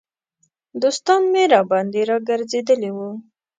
دوستان مې راباندې را ګرځېدلي وو.